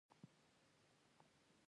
د ميندو سندرې